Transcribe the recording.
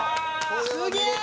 すげえ！